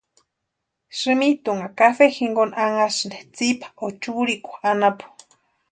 Simitunha cafe jinkoni anhasïni tsipa o churikwa anapu.